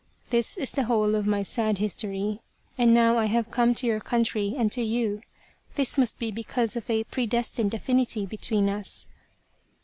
This is the whole of my sad history. And now I have come to your country and to you. This must be because of a predestined affinity between us."